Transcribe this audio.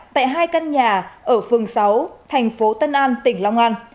tại hai căn nhà ở phường sáu thành phố tân an tỉnh long an